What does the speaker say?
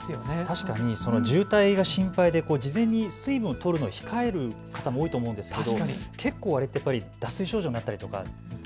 確かに渋滞が心配で事前に水分をとるのも控える方も多いと思うんですけど結構あれって脱水症状になったりとか。